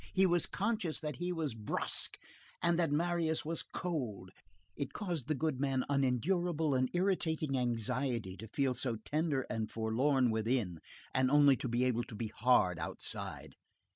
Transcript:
He was conscious that he was brusque, and that Marius was cold. It caused the goodman unendurable and irritating anxiety to feel so tender and forlorn within, and only to be able to be hard outside.